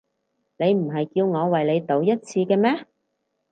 你唔係叫我為你賭一次嘅咩？